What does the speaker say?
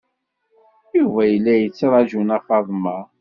Yuba yella yettraǧu Nna Faḍma.